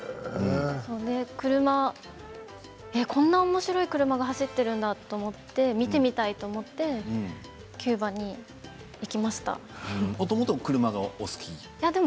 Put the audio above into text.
車、こんなおもしろい車が走っているんだと思って見てみたいと思ってもともと車がお好きで？